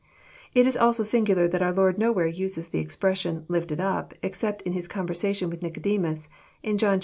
— It is also singular that our Lord nowhere uses the expression lifted up" except in His conversation with Nicodemus, in John Hi.